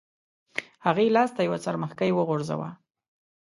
هغې لاس ته یو څرمښکۍ وغورځاوه.